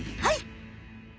はい！